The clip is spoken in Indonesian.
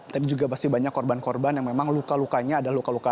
tapi juga pasti banyak korban korban yang memang luka lukanya ada luka luka